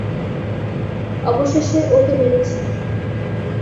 অবশেষে ওকে মেরেছি!